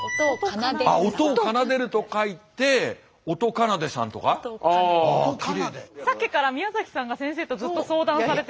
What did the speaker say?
あっ音を奏でると書いてさっきから宮崎さんが先生とずっと相談されて。